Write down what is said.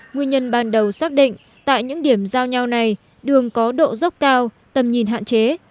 nguyên nhân ban đầu xác định tại những điểm giao nhau này đường có độ dốc cao tầm nhìn hạn chế